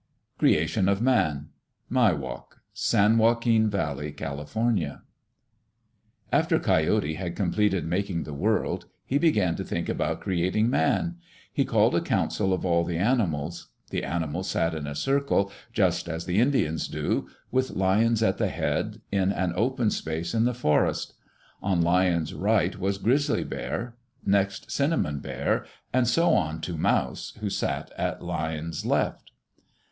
Creation of Man Miwok (San Joaquin Valley, Cal.) After Coyote had completed making the world, he began to think about creating man. He called a council of all the animals. The animals sat in a circle, just as the Indians do, with Lion at the head, in an open space in the forest. On Lion's right was Grizzly Bear; next Cinnamon Bear; and so on to Mouse, who sat at Lion's left.